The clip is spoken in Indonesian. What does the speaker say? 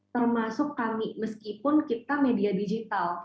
termasuk kami meskipun kita media digital